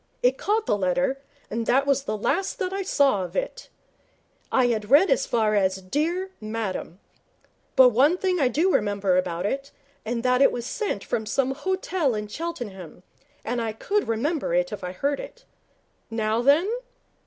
It caught the letter, and that was the last I saw of it. I had read as far as "Dear Madam". But one thing I do remember about it, and that was that it was sent from some hotel in Cheltenham, and I could remember it if I heard it. Now, then?'